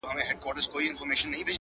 د تورو شپو په توره دربه کي به ځان وسوځم،